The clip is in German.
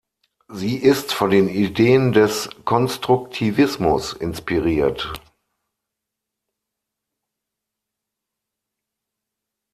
Sie ist von den Ideen des Konstruktivismus inspiriert.